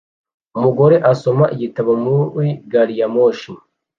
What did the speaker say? Umugore asoma igitabo muri gari ya moshi